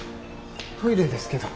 トイレですけど。